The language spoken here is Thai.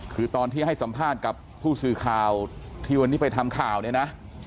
คือตอนที่ให้สัมภาษณ์กับผู้สื่อข่าวที่วันนี้ไปทำข่าวเนี่ยนะ